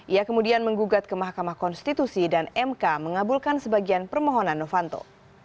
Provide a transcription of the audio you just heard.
ia kemudian menggugat ke mahkamah konstitusi dan mk mengabulkan sebagian permohonan novanto